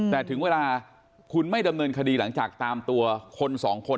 แต่ถึงเวลาคุณไม่ดำเนินคดีหลังจากตามตัวคนสองคน